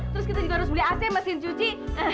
terus kita juga harus beli ac mesin cuci